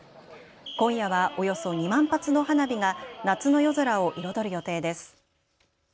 今夜はおよそ２万発の花火が夏の夜空を彩る予定です。